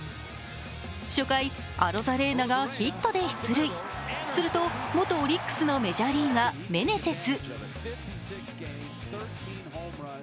初回、アロザレーナがヒットで出塁すると、元オリックスのメジャーリーガー・メネセス。